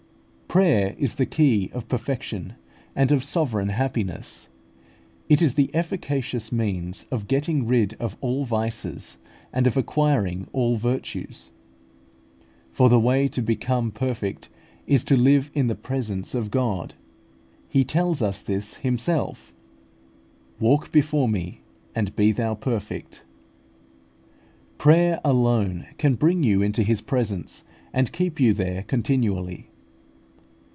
Prayer is the key of perfection and of sovereign happiness; it is the efficacious means of getting rid of all vices and of acquiring all virtues; for the way to become perfect is to live in the presence of God. He tells us this Himself: "Walk before me, and be thou perfect" (Gen. xvii. 1). Prayer alone can bring you into His presence, and keep you there continually.